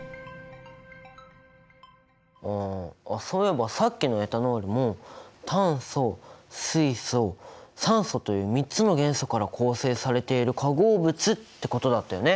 ああっそういえばさっきのエタノールも炭素水素酸素という３つの元素から構成されている化合物ってことだったよね。